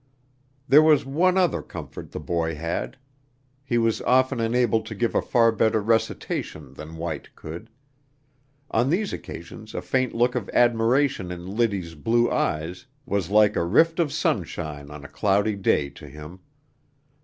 There was one other comfort the boy had: he was often enabled to give a far better recitation than White could. On these occasions a faint look of admiration in Liddy's blue eyes was like a rift of sunshine on a cloudy day to him.